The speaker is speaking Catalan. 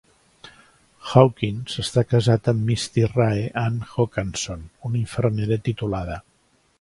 Hawkins està casat amb Misti Rae Ann Hokanson, una infermera titulada.